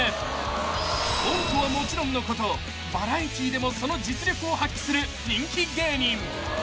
［コントはもちろんのことバラエティーでもその実力を発揮する人気芸人］